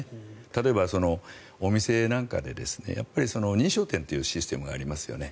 例えばお店なんかで認証店というシステムがありますよね。